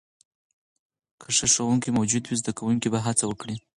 که ښه ښوونکې موجود وي، زده کوونکي به هڅه وکړي.